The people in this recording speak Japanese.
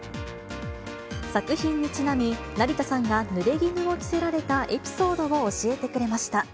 作品にちなみ、成田さんがぬれぎぬを着せられたエピソードを教えてくれました。